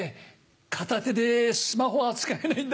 片手でスマホは使えないんだ。